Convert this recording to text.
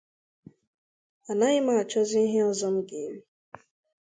anaghị m achọzị ihe ọzọ m ga-eri